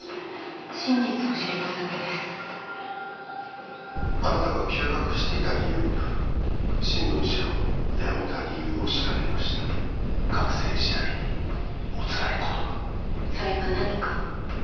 真実を知りたいだけですあなたが休学していた理由新聞社を辞めた理由を調べました学生時代におつらいことがそれが何か？